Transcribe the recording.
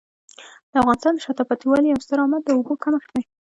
د افغانستان د شاته پاتې والي یو ستر عامل د اوبو کمښت دی.